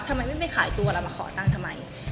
ทำไมไม่ไปขายตัวเรามาขอตั้งทำไม